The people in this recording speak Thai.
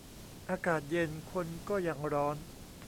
อากาศเย็น คนก็ยังร้อน